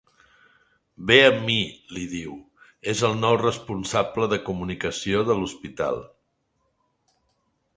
Ve amb mi —li diu—, és el nou responsable de comunicació de l'hospital.